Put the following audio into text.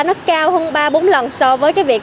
nó cao hơn ba bốn lần so với cái việc